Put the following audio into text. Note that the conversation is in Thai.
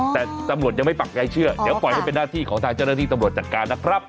แต่ตำรวจยังไม่ปักใจเชื่อเดี๋ยวปล่อยให้เป็นหน้าที่ของทางเจ้าหน้าที่ตำรวจจัดการนะครับ